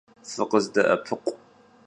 Fıkhızde'epıkhu!